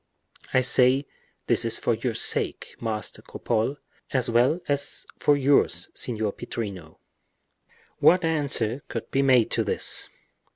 I say this for your sake, Master Cropole, as well for yours, Signor Pittrino." What answer could be made to this?